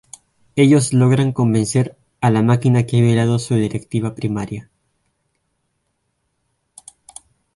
Ellos logran convencer a la máquina que ha violado su directiva primaria.